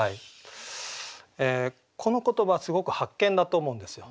この言葉すごく発見だと思うんですよ。